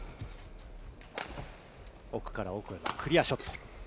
奥から奥へのクリアショット。